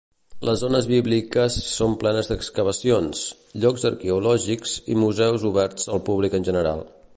Les zones bíbliques són plenes d'excavacions, llocs arqueològics i museus oberts al públic en general.